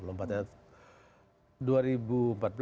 belum ada yang bisa begitu